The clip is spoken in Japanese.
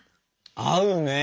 合うね！